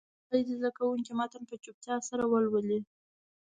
لومړی دې زده کوونکي متن په چوپتیا سره ولولي.